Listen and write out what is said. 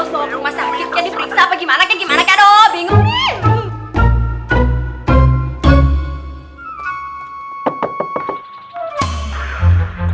mau rumah sakitnya diperiksa apa gimana kaya gimana kaya aduh bingung nih